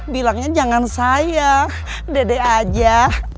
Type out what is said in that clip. bilangnya jangan saya dede aja